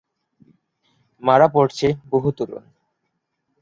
মারা পড়ছে বহু তরুণ।